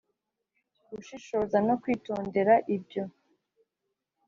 gushishoza no kwitondera ibyo